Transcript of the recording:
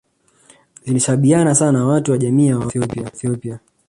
zilishabihiana sana na watu wa jamii ya Waoromo wa Ethiopia